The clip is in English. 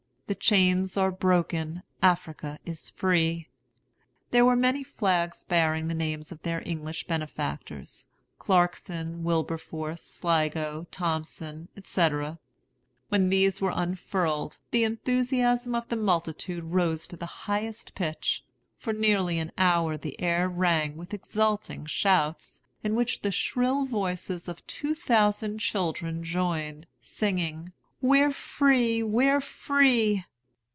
'The chains are broken, Africa is free!' There were many flags bearing the names of their English benefactors, Clarkson, Wilberforce, Sligo, Thompson, etc. When these were unfurled, the enthusiasm of the multitude rose to the highest pitch. For nearly an hour the air rang with exulting shouts, in which the shrill voices of two thousand children joined, singing, 'We're free! we're free!'